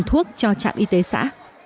trạm y tế xã